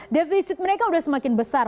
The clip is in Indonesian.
devisit mereka udah semakin besar